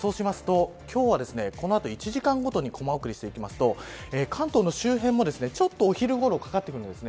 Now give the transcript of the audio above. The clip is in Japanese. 今日は、この後１時間ごとにコマ送りしていくと関東の周辺も、ちょっとお昼ごろかかってきます。